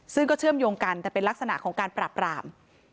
ซึ่งก็เชื่อมโยงกันแต่เป็นลักษณะของการปราบราม